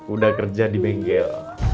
udah kerja di bengkel